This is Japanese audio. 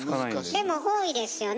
でも多いですよね